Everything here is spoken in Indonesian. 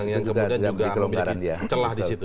yang kemudian juga memiliki celah di situ